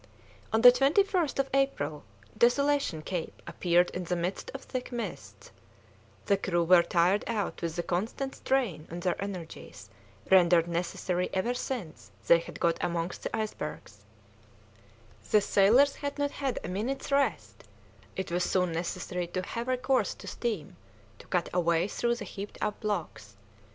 On the 21st of April Desolation Cape appeared in the midst of thick mists; the crew were tired out with the constant strain on their energies rendered necessary ever since they had got amongst the icebergs; the sailors had not had a minute's rest; it was soon necessary to have recourse to steam to cut a way through the heaped up blocks.